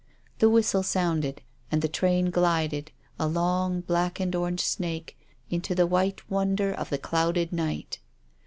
The whistle sounded, and the train glided, a long black and orange snake, into the white wonder of the clouded night.